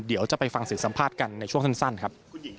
เดี๋ยวจะไปฟังเสียงสัมภาษณ์กันในช่วงสั้นครับ